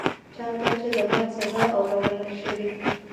چا ته چي د مرګ سزا اورول شوې